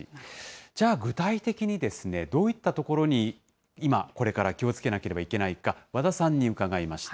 じゃあ、具体的にどういったところに今、これから気をつけなければいけないか、和田さんに伺いました。